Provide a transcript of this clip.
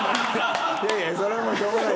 いやいやそれはもうしょうがないじゃん。